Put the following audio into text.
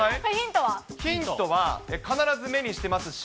ヒントは、必ず目にしてますし。